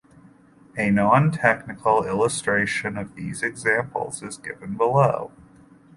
A non-technical illustration of these examples is given below.